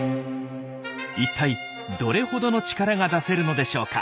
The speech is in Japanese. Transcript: いったいどれほどの力が出せるのでしょうか？